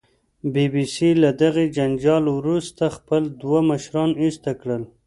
بي بي سي له دغې جنجال وروسته خپل دوه مشران ایسته کړل